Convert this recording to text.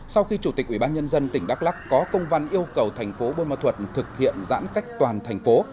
sau khi chủ tịch ubnd tỉnh đắk lắc có công văn yêu cầu thành phố bô ma thuật thực hiện giãn cách toàn thành phố